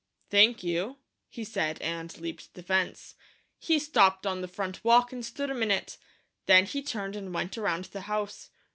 "Thank you," he said and leaped the fence. He stopped on the front walk and stood a minute, then he turned and went around the house.